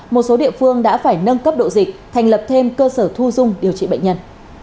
một số địa phương đã phải nâng cấp độ dịch thành lập thêm cơ sở thu dung điều trị bệnh nhân